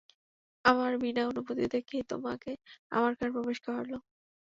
আমার বিনা অনুমতিতে কে তোমাকে আমার ঘরে প্রবেশ করাল?